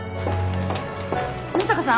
野坂さん。